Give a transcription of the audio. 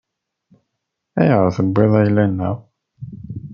Ayɣer i tewwiḍ ayla-nneɣ?